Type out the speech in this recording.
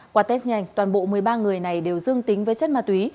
qua test nhanh toàn bộ một mươi ba người này đều dương tính với chất ma túy